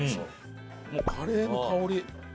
もうカレーの香り。